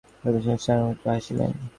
পরেশবাবু ম্লানভাবে একটু হাসিলেন।